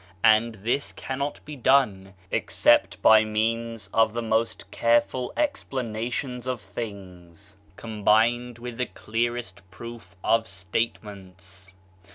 And this cannot be done except by means of the most careful explanations of things, combined with the clearest proof of statements.